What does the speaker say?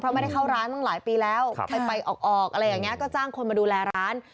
ไม่ได้เข้าร้านตั้งหลายปีแล้วไปออกอะไรอย่างนี้ก็จ้างคนมาดูแลร้าน